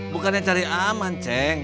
bukannya cari aman ceng